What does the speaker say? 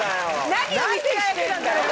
何を見せられてたんだろう？